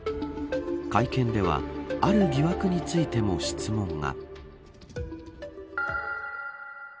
会見ではある疑惑についても質問が。